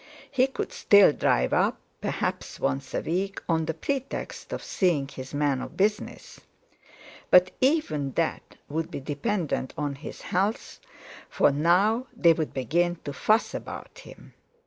He could still drive up, perhaps, once a week, on the pretext of seeing his man of business. But even that would be dependent on his health, for now they would begin to fuss about him.